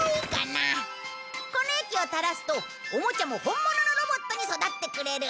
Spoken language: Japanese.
この液を垂らすとおもちゃも本物のロボットに育ってくれる。